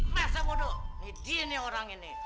masa bodoh nih dia nih orang ini